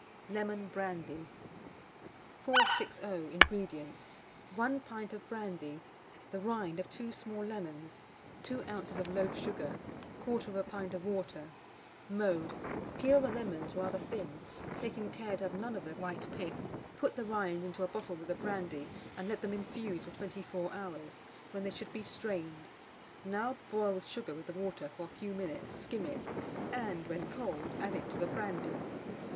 LEMON BRANDY. 460. INGREDIENTS. 1 pint of brandy, the rind of two small lemons, 2 oz. of loaf sugar, 1/4 pint of water. Mode. Peel the lemons rather thin, taking care to have none of the white pith. Put the rinds into a bottle with the brandy, and let them infuse for 24 hours, when they should be strained. Now boil the sugar with the water for a few minutes, skim it, and, when cold, add it to the brandy.